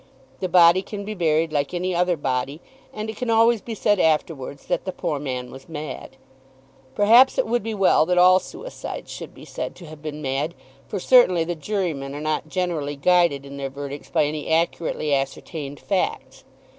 The body can be buried like any other body, and it can always be said afterwards that the poor man was mad. Perhaps it would be well that all suicides should be said to have been mad, for certainly the jurymen are not generally guided in their verdicts by any accurately ascertained facts.